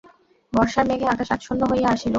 বর্ষার মেঘে আকাশ আচ্ছন্ন হইয়া আসিল।